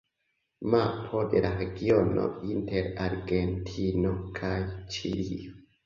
Mapo de la regiono inter Argentino kaj Ĉilio.